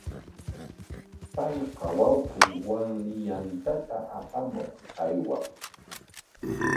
Payqa wawqinwami yantata apamuq aywaq.